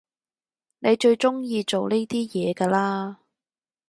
你最中意做呢啲嘢㗎啦？